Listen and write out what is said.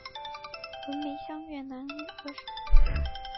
文梅香越南女歌手。